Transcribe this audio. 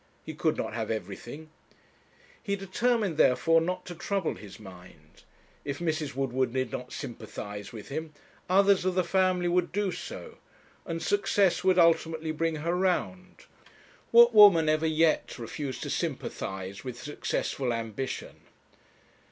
He could not have everything. He determined, therefore, not to trouble his mind. If Mrs. Woodward did not sympathize with him, others of the family would do so; and success would ultimately bring her round. What woman ever yet refused to sympathize with successful ambition?